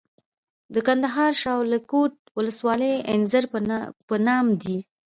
د کندهار شاولیکوټ ولسوالۍ انځر په نام دي.